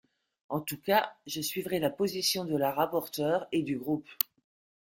En tout cas, je suivrai la position de la rapporteure et du groupe.